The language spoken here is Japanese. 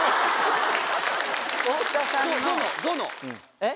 えっ？